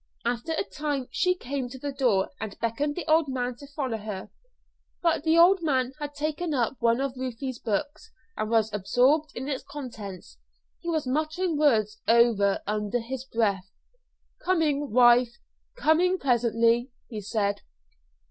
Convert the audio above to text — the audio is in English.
After a time she came to the door and beckoned to the old man to follow her. But the old man had taken up one of Ruth's books and was absorbed in its contents; he was muttering words over under his breath. "Coming, wife coming presently," he said.